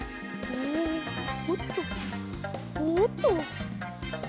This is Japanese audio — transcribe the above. おっとおっと。